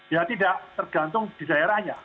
ya tidak tergantung di daerahnya